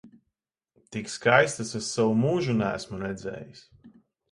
Tik skaistas es savu mūžu neesmu redzējis!